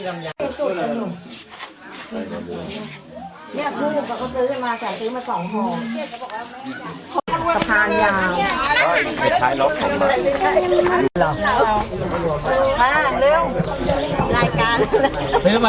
สวัสดีครับทุกคน